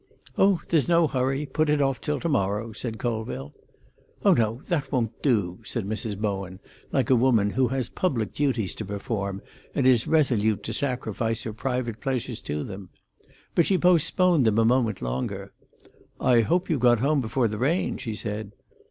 "Oh, there's no hurry; put it off till to morrow," said Colville. "Oh no; that won't do," said Mrs. Bowen, like a woman who has public duties to perform, and is resolute to sacrifice her private pleasure to them. But she postponed them a moment longer. "I hope you got home before the rain," she said.